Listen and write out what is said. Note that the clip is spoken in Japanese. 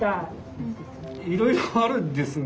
いろいろあるんですが。